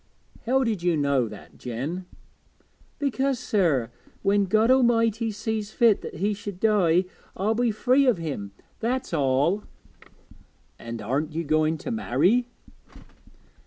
'How did you know that, Jen?' 'Because, sir, when God A'mighty sees fit that he should die, I'll be free o' him, that's all.' 'And aren't you going to marry?'